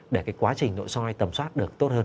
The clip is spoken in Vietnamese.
để cái quá trình nội soi tầm soát được tốt hơn